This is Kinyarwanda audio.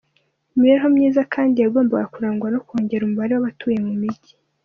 Imibereho myiza kandi yagombaga kurangwa no kongera umubare w’abatuye mu mijyi.